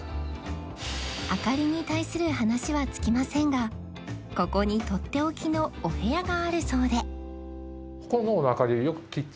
明かりに対する話は尽きませんがここにとっておきのお部屋があるそうで